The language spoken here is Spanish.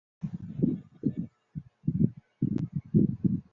Apio Claudio fue arrestado y murió en prisión.